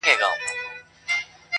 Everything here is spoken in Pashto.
o په شب پرستو بد لګېږم ځکه,